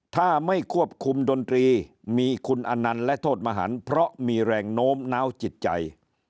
ถ้าไม่ควบคุมดนตรีมีคุณอนันต์และโทษมหันเพราะมีแรงโน้มน้าวจิตใจ